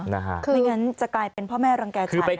ไม่งั้นจะกลายเป็นพ่อแม่รังแก่ใคร